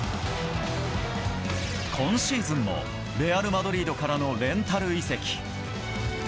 今シーズンもレアル・マドリードからのレンタル移籍。